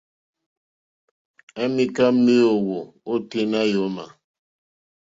À mìká méèwó óténá yǒmà.